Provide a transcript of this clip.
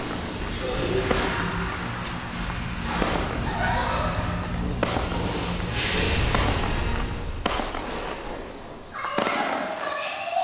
あっありがとうマジェスティ！